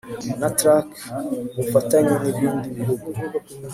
na trac ubufatanye n ibindi bihugu